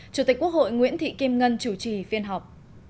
chủ tịch quốc hội nguyễn thị kim ngân chủ trì phiên họp